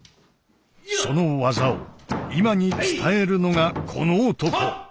その技を今に伝えるのがこの男！